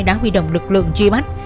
đã huy động lực lượng truy bắt